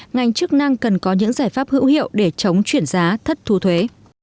ngành chức năng cần có những giải pháp hữu hiệu để chống chuyển giá thất thu thuế